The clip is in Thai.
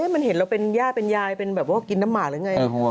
มันเห็นเราเป็นย่าเป็นยายเป็นแบบว่ากินน้ำหมากหรือไง